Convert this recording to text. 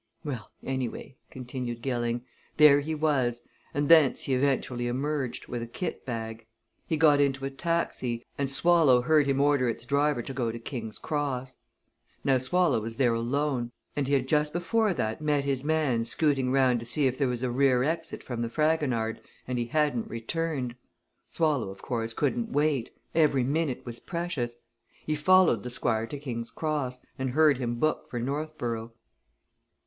"Well, anyway," continued Gilling, "there he was, and thence he eventually emerged, with a kit bag. He got into a taxi, and Swallow heard him order its driver to go to King's Cross. Now Swallow was there alone and he had just before that met his man scooting round to see if there was a rear exit from the Fragonard, and he hadn't returned. Swallow, of course, couldn't wait every minute was precious. He followed the Squire to King's Cross, and heard him book for Northborough."